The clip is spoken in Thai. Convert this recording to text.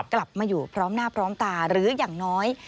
กลับมาอยู่พร้อมหน้าพร้อมตาหรืออย่างน้อย